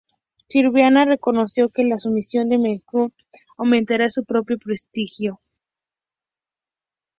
Srivijaya reconoció que la sumisión de Melayu aumentaría su propio prestigio.